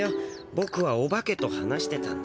ボクはオバケと話してたんだ。